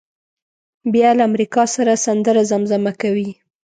بیا له امریکا سره سندره زمزمه کوي.